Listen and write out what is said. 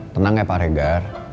tenang ya pak regar